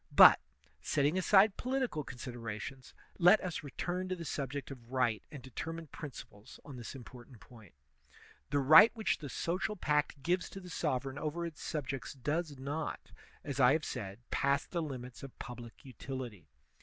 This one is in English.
But, setting aside political considerations, let us return to the subject of right and determine principles on this important point. The right which the social pact gives to the sovereign over its subjects does not, as I have said, pass the limits of public utility.